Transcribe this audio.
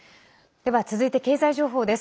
では、続いて経済情報です。